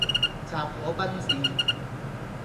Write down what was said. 什果賓治